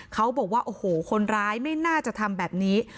เขาบอกว่าโอ้โหคนร้ายไม่น่าจะทำแบบนี้